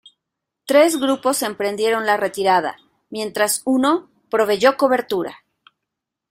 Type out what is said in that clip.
Tres grupos emprendieron la retirada, mientras uno proveyó cobertura.